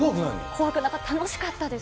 怖くなかった、楽しかったです。